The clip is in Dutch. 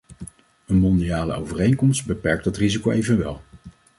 Een mondiale overeenkomst beperkt dat risico evenwel.